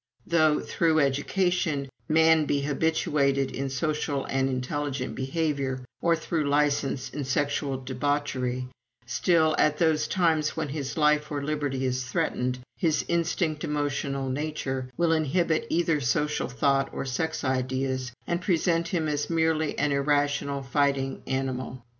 Though, through education, man be habituated in social and intelligent behavior or, through license, in sexual debauchery, still, at those times when his life or liberty is threatened, his instinct emotional nature will inhibit either social thought or sex ideas, and present him as merely an irrational fighting animal.